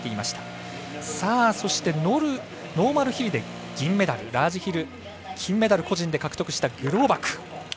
そして、ノーマルヒルで銀メダルラージヒル金メダル個人で獲得したグローバク。